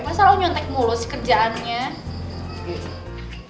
masa lo nyontek mulu sih kerjaannya